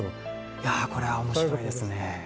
いやこれは面白いですね。